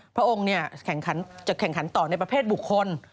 พระองค์จะแข่งขันต่อในประเภทบุคคล